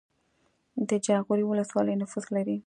د جاغوری ولسوالۍ نفوس لري